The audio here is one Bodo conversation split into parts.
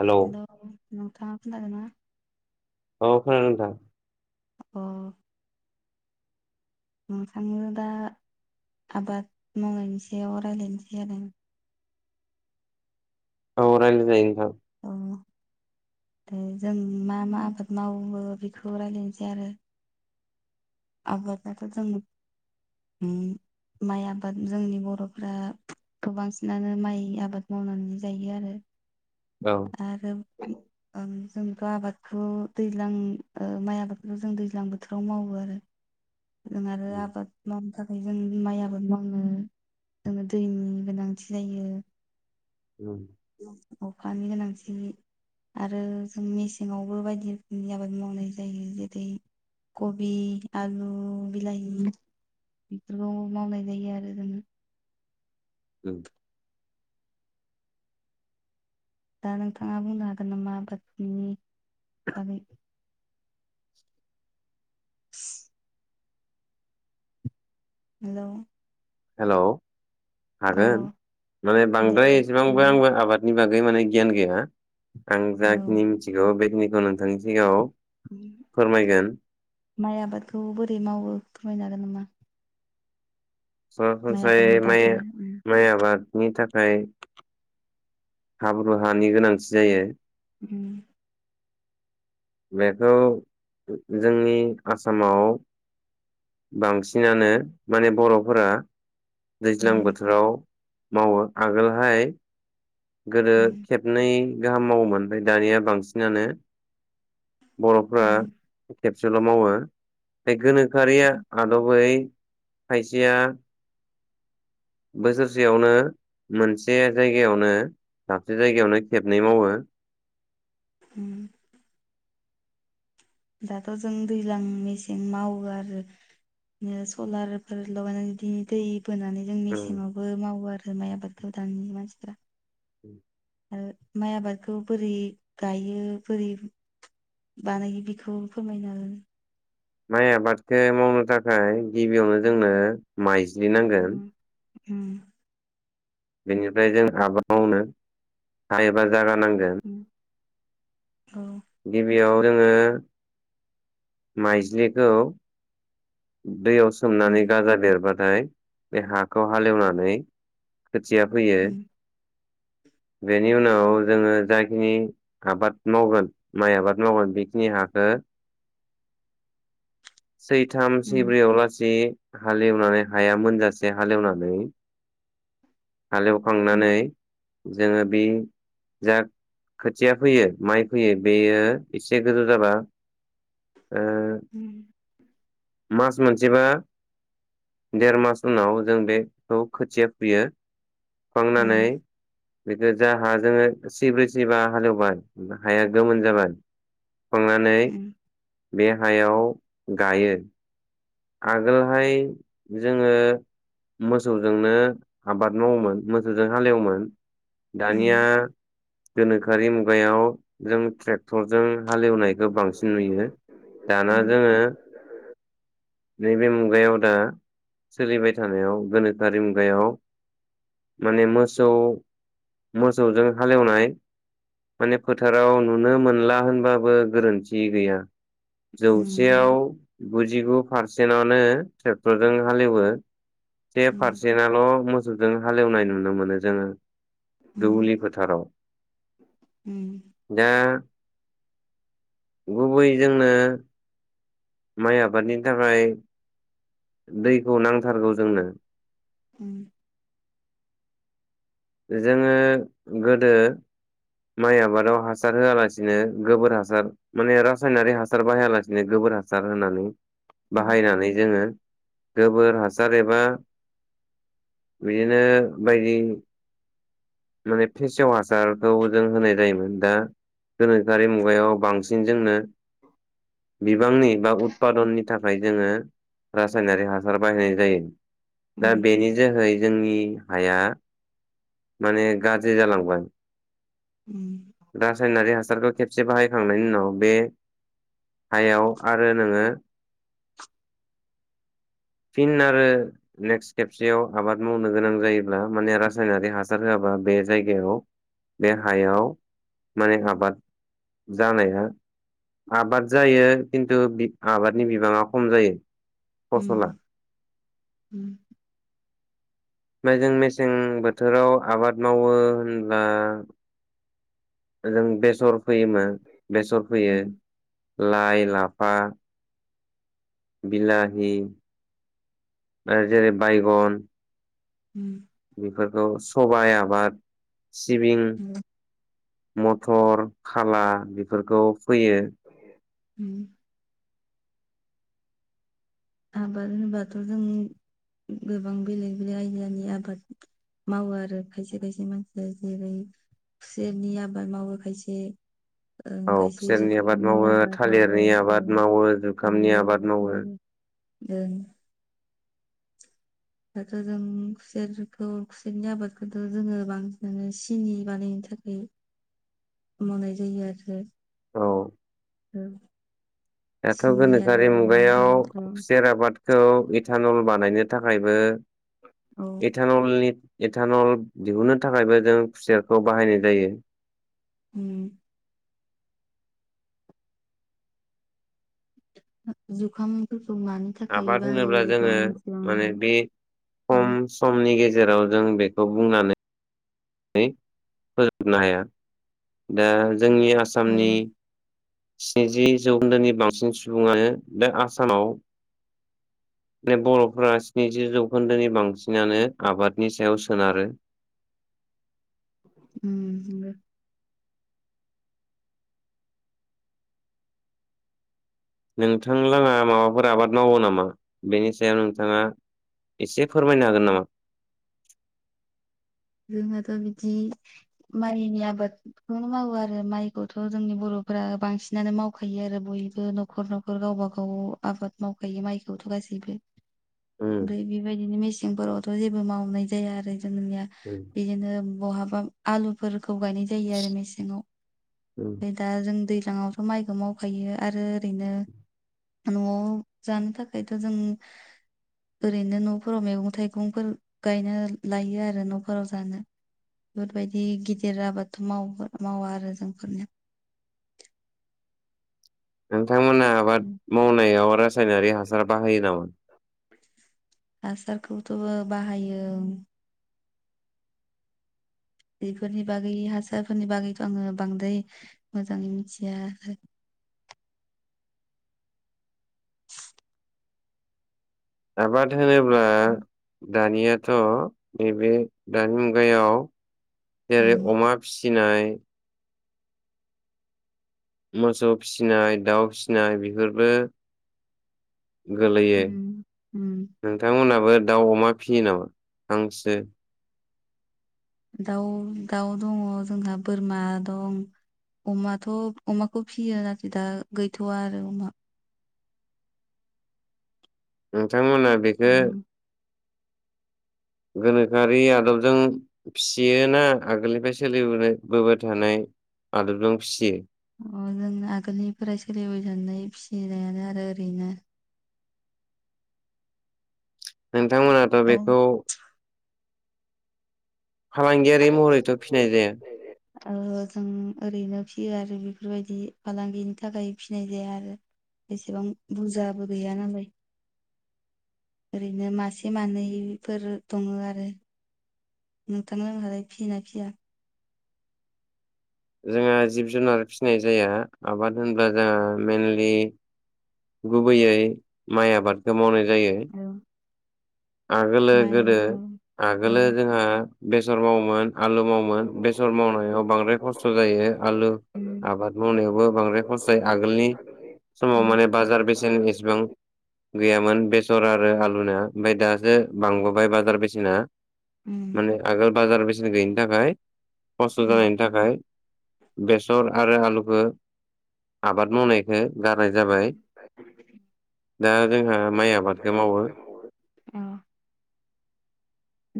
हेलौ हेल' नोंथाङा खोनादों ना? औ खोनादों नोंथां। अ। नोंथांनो दा आबाद मावनायनि सायाव रायज्लायनोसै आरो। अ रायलायजायो नोंथां। औ जों मा मा आबाद मावो बेखौ रायज्लायनोसै आरो। आबादाथ' जों माइ आबाद जोंनि बर'फोरा गोबांसिनानो माइ आबाद मावनानै जायो आरो। औ आरो [inaudible] ओं जोंथ' आबादखौ दैज्लां ओ माइ आबादखौ जों दैज्लां बोथोराव मावो आरो। जों आरो आबाद मावनो था खाय जों माइ आाबो मावो जोंनो दैनि गोनांथि जायो। ओम। अखानि गोनांथि आरो जों मेसेङावबो बायदि रोखोमनि आबाद मावनाय जायो जेरै कबि आलु बिलाहि बेफोरखौबो मावनाय जायो आरो जोङो ओं। दा नोंथाङा बुंनो हागोन नामा आबादनि बागै [inaudible] हेल'। हेलौ हागोन माने दे बांद्राय उम एसेबांबो आंबो आबादनि बागै माने गियान गैया आं औ जाखिनि मिथिगौ बेखिनिखौ नोंथांनि सिगाङाव फोरमायगोन माइ आबादखौ बोरै मावो फोरमायनो हागोन नामा। माइ सरासनस्रायै आबादनि माइया बागै उम माइ आबादनि थाखाय। हाब्रु हानि गोनांथि जायो उम। बेखौ ओ जोंनि आसामाव बांसिनानो माने बर'फोरा दैज्लां उम बोथोराव मावो आगोलहाय गोदो उम खेबनै गाहाम मावोमोन ओमफ्राय दानिया बांसिनानो बर'फ्रा खेबसेल' मावो बे गोनोखोआरिया उम आदबै खायसेया बोसोरसेयावनो मोनसे जायगायावनो दाबसे जायगायावनो खेबनै मावो [inaudible] उम। दाथ' जों दैज्लां मेसें मावो आरो। इदिनो सलारफोर लगायनानै बिदि दै बोनानै जों मेसेङावबो मावो आरो माइ आबादखौ दानि मानसिफ्रा [inaudible] आरो माइ आबादखौ बोरै गायो बोरै बानायो बेखौ फोरमायना हो माइ आबादखौ मावनो थाखाय गिबियावनो जोंनो माइज्लि नांगोन उम उम। बेनिफ्राय जों आबाद मावनो हायोबा जागा नांगोन। उम औ गिबियाव जोङो माइज्लिखौ दैयाव सोमनानै उम गाजा बेरबाथाय बे हाखौ हालेवनानै खोथिया फैयो उम बेनि उनाव जोङो जाखिनि आबाद मावगोन माइ आबाद मावगोन बेखिनि हाखौ सैथाम उम सैब्रैयावलासि हालेवनानै हाया मोनजासे हालेवनानै उम हालेवखांनानै जोङो बे जा खोथिया फोयो माइ फोयो बेयो एसे गोजौ जाबा ओ उम। मास मोनसेबा देरमास उनाव जों बेखौ खोथिया फुयो खांनानै उम बेखौ जा हा जोङो सैब्रै सैबा हालेवबबाय हाया गोमोन जाबाय खांनानै उम उम बे हायाव गायो। आगोलहाय जोङो मोसौजोंनो आबाद मावोमोन मोसौजों हालेवोमोन उम दानिया गोनोखोआरि मुगायाव जों ट्रेक्टरजों हालेवनायखौ बांसिन नुयो दाना उम जोङो नैबे मुगायाव दा सोलिबाय थानायाव गोनोखोआरि मुगायाव माने मोसौ मोसौजों हालेवनाय माने फोथाराव नुनो मोनला होनबाबो गोरोन्थि गैया। उम जौसेयाव गुजिगु पारसेन्टानो ट्रेक्टरजों हालेवो। से पारसेनाल' मोसौजों हालेवनाय नुनो मोनो जोङो उम दुब्लि फोथाराव। दा गुबै जोंनो माइ आबादनि थाखाय दैखौ नांथारगौ जोंनो। उम जोङो गोदो माइ आबादाव हासार होआलासिनो गोबोर हासार माने रासायनारि हासार बाहायालासिनो गो बोर हासार होनानै औ बाहायनानै जोङो गोबोर हासार एबा बिदिनो बायदि माने फेसेव हा सारखौ जों होनाय जायोमोन दा गोनोखोआरि मुगायाव बांसिन जोंनो [inaudible] बिबांनि बा उतपादननि थाखाय जोङो रासायनारि हासार बाहायनाय जायो। दा उम बेनि जोहै जोंनि हाया माने गाज्रि जालांबाय। उम रासायनारि हासारखौ खेबसे बाहायखांनायनि उनाव बे हायाव आरो नोङो [inaudible] फिन आरो नेक्स्ट खेबसेयाव आबाद मावनो गोनां जायोब्ला माने रासायनारि हासार होआ बा बे जायगायाव बे हायाव माने आबाद जानाया आबाद जायो खिन्थु बिब आबादनि बिबाङा खम जायो। उम फसला जों मेसें बोथोराव आबाद मावो होनब्ला जों बेस सर फैयोमो बेसर फोयो उम लाइ लाफा बिलाहि आर जेरै बायगन उम बेफोरखौ सबाय आबाद सिबिं उम मट टर खाला बेफोरखौ फैयो। उम आबाद होमबाथ' जों गोबां बेलेग बेलेग आयदानि आबाद मावो आरो खायसे खायसे मानसया जेरै खुसेरनि आबाद मावो खायसे ओं औ खायसे खुसेरनि आबाद जुखामनि मावो आबाद मावो थालिरनि ओं आबाद मावो जुखामनि थालिर आबाद मावो। ओं दाथ' जों खुसेरखौ खुसेरनि आबादखौथ' जोङो बांसिनानो सिनि बानायनो थाखाय मावनाय जायो आरो। औ उ दाथ' गोनोखोआरि मुगायाव मानिखौ खुसेर आबादखौ इथानल बानायनो थाखायबो औ इथानलनि एटानल दिहुनो थाखायबो जों खुसेरखौ बाहायनाय जायो। उम। जुखाम आबाद होनोब्ला जोङो मिथिबाङा माने आरो बे औ खम समनि गेजे राव जों बेखौ बुंनानै नै- फोजोबनो हाया दा जोंनि औ आसामनि स्निजि जौखोन्दोनि बांसिन सुबुङानो बे आसामाव बे बर'फोरा स्निजि जौखोन्दोनि बांसिनानो आबादनि सायाव सोनारो। [unintelligible] नोंथांलाङा माबाफोर आबाद मावो नामा बेनि सायाव नोंथाङा एसे फोरमायनो हागोन नामा? जोंहाथ' बिदि माइनि आबादखौनो मावो आरो माइखौथ' जोंनि बर'फोर रा- बांसिनानो मावखायो आरो बयबो न'खर न'खर गावबा गाव आबाद मावखायो माइखौथ' गासैबो उम ओमफ्राय बेबायदिनो मेसेंफोरावथ' जेबो मावनाय जाया आरो जोंनिया। उम बिदिनो बहाबा आलुफोर खौ गायनाय जायो आरो मेसेंआव उम फ्राय दा जों दै सिगाङावथ' माइखौ मावखायो आरो ओरैनो न'आव जानो थाखायथ' जों ओरैनो न'फोराव मैगं थाइगंफोर गायनो लायो आरो न' फोराव जानो बेफोरबायदि गिदिर आबादथ' माव मावा आरो जोंफोरनिया। [inaudible] नोंथांमोना आबाद उम मावनायाव रासायनारि हासार बाहायो नामा? हासारखौथ' बाहायो। बेफोरनि बागै हासारफोरनि बागैथ' आङो बांद्राय मोजाङै मिथिया। [inaudible] आबाद होनोब्ला दानियाथ' नैबे दानि मुगायाव जेरै उम अमा फि नाय मोसौ फिसिनाय दाउ फिसिनाय बेफोरबो गोलैयो उम उम नोंथांमोनाबो दाउ अमा फियो नामा हांसो? दाउ दाउ दङ जोंहा बोरमा दं। अमाथ' अमाखौ फियो आरोखि दा गैथ'वा आरो अमा। नोंथांमोना बेखौ उम गोनोखोआरि आदबजों फियोना आगोलनिफ्राय सोलिबोबाय थानाय आदबजों फिसियो? अ जों आगोलनिफ्राय सोलिबाय थानाय फिसिनायानो आरो ओरैनो। नोंथांमोनाथ' बेखौ फालांगियारि महरैथ' फिनाय जाया? ओ जों ओरैनो फियो आरो बेफोरबायदि फालांगिनि थाखाय फिनाय जाया आरो। बेसेबां बुरजाबो गैया नालाय। ओरैनो मासे मानैफोर दङो आरो। नोंथां मोनहालाय फियो ना फिया? जोंहा जिब जुनार फिसिनाय जाया आबाद होनब्ला जोंहा मेनलि गुबैयै माइ आबादखौ मावनाय जायो। औ आगोलो माइ गोदो औ औ आगोलो जोंहा बेसर मावोमोन। आलु मावोन बेसर मावनायाव बांद्राय खस्थ' जायो आलु उम आबाद मावनायावबो बांद्राय खरसाय आगोलनि समाव उम माने बाजार बेसेन इसिबां गैयामोन बेसर आरो आलुना। ओमफ्राय दासो बांबोबाय बाजार बेसेना उम माने आगोल बाजार बेसेन गैयिनि थाखाय खस्थ' उम जानायनि थाखाय बेसर आरो आलुखौ आबाद मावनायखौ गारनाय जाबाय दा जोंहा माइ आबादखौ मावो। औ।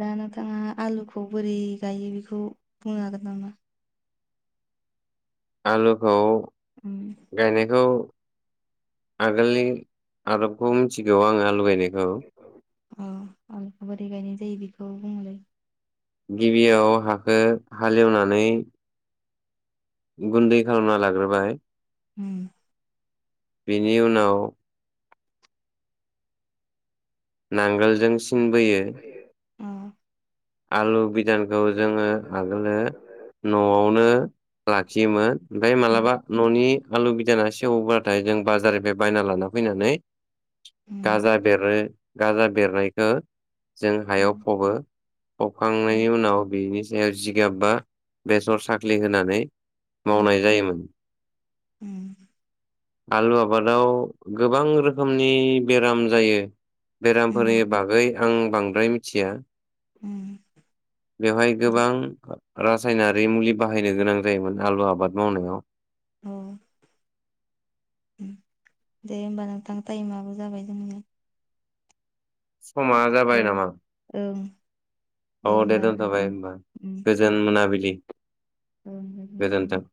दा नोंथाङा आलुखौ बोरै गायो बेखौ बुंनो हागोन नामा? आलुखौ उम गायनायखौ आगोलनि आदबखौ मिथिगौ आंङो आलु गायनायखौ। अ- आलुखौ बोरै गायनाय जायो बेखौ बुङोलै गिबियाव हाखो हालेवनानै गुन्दै खालामना लाग्रोबाय उ- बिनि उनाव नांगोलजों सिनबोयो अ आलु बिदानखौ जोङो आगोलो न'आवनो लाखियोमोन ओमफ्राय उम मालाबा न'नि आलु बिदाना सेवोबब्लाथाय जों बाजारनिफ्राय बायना लाना फैनानै उम गाजा बेरो गाजा बेरनायखौ जों हायाव उम फबो उम हखांनायनि उनाव बिनि सायाव जिगाब बा बेसर साख्रि होनानै मावनाय जायोमोन उ- आलु आबादाव गोबां रोखोमनि बेराम जायो बेरामफोरनि उम बागै आं बांद्राय मिथिया उम बेवहाय दे गोबां- रासायनारि मुलि बाहायनो गोनां जायोमोन आलु आबाद मावनायाव औ- दे- होमबा नोंथां टाइमाबो जाबाय जोंन समा जाबाय नामा ओं औ- दे- होमबा दोनथ'बाय उम होनबा गोजोन मोनाबिलि आ गोजोन्थों। [unintelligible]